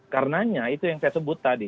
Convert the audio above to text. karenanya itu yang saya sebut tadi